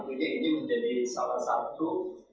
tentunya ini menjadi salah satu